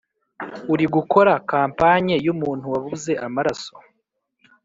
urigukora campagne yumuntu wabuze amaraso.